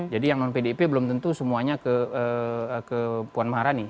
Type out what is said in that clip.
jadi yang non pdip belum tentu semuanya ke puan maharani